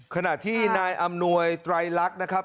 ขณะที่นายอำนวยไตรลักษณ์นะครับ